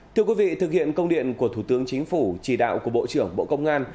thưa quý vị thực hiện công điện của thủ tướng chính phủ chỉ đạo của bộ trưởng bộ công an